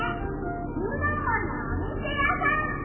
みもものおみせやさん！